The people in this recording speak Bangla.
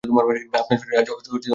আপনার শরীর আজ ভালো আছে তো?